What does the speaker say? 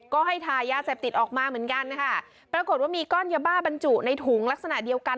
ก็ให้ทายาเสพติดออกมาเหมือนกันนะคะปรากฏว่ามีก้อนยาบ้าบรรจุในถุงลักษณะเดียวกัน